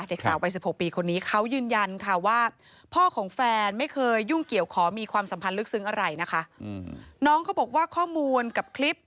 เด็กสาวไว้สิบหกปีคนนี้เขายืนยันค่ะว่าพ่อของแฟนไม่เคยยุ่งเกี่ยวข้อมีความสัมพันธ์ฮึกซึ้งอะไรนะคะ